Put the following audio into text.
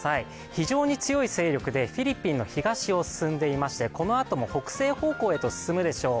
非常に強い勢力でフィリピンの東を進んでいまして、このあとも北西方向へと進むでしょう。